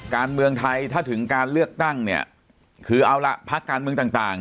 การเมืองไทยถ้าถึงการเลือกตั้งเนี่ยคือเอาล่ะพักการเมืองต่าง